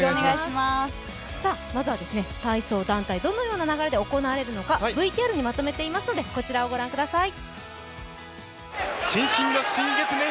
まずは体操団体、どのような流れで行われるのか、ＶＴＲにまとめていますので、こちらをご覧ください。